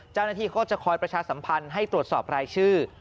เจ้าหน้าที่ก็จะคอยประชาสัมพันธ์ให้ตรวจสอบรายชื่อ